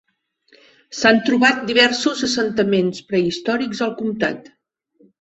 S'han trobat diversos assentaments prehistòrics al comtat.